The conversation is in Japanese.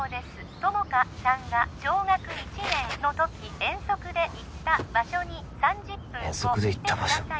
友果さんが小学１年の時遠足で行った場所に３０分後来てください